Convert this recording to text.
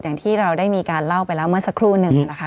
อย่างที่เราได้มีการเล่าไปแล้วเมื่อสักครู่หนึ่งนะคะ